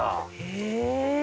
へえ！